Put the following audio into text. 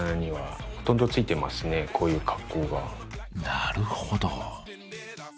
なるほど。